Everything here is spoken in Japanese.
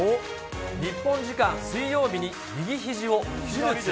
日本時間水曜日に右ひじを手術。